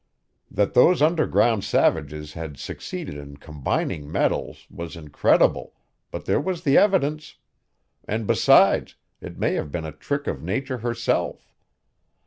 That those underground savages had succeeded in combining metals was incredible, but there was the evidence; and, besides, it may have been a trick of nature herself.